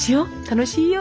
楽しいよ。